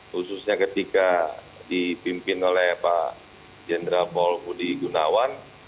khususnya ketika dipimpin oleh pak jenderal paul budi gunawan